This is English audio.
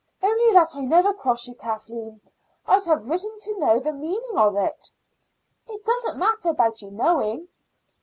Only that I never cross you, Kathleen, I'd have written to know the meaning of it." "It doesn't matter about you knowing."